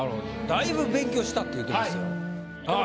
だいぶ勉強したって言うてますよ。